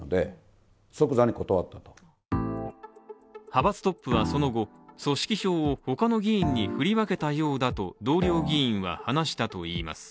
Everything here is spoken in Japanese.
派閥トップはその後、組織票を他の議員に振り分けたようだと同僚議員は話したといいます。